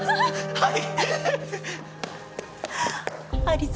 はい！